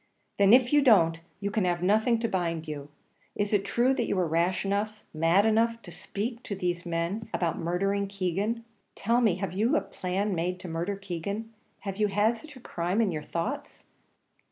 "Then, if you don't, you can have nothing to bind you. Is it true that you were rash enough, mad enough, to speak to these men about murdering Keegan? Tell me; have you a plan made to murder Keegan? Have you had such a crime in your thoughts?"